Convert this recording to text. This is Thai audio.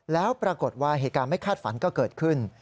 แล้วปรากฏว่าเหตุการณ์ไม่คาดฝันก็เกิดขึ้น